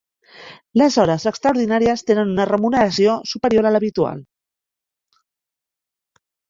Les hores extraordinàries tenen una remuneració superior a l'habitual.